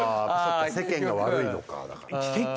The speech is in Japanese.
世間が悪いのかだから。